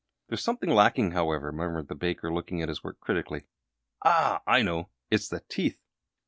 "There's something lacking, however," murmured the baker, looking at his work critically. "Ah, I know it's the teeth!"